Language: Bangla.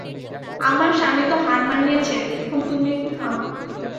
আমার স্বামী তো হার মানিয়াছেন, এখন তুমি একটু থামো।